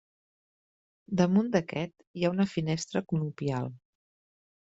Damunt d'aquest hi ha una finestra conopial.